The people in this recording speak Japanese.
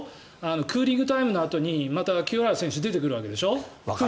クーリングタイムのあとにまた清原選手出てくるわけでしょ。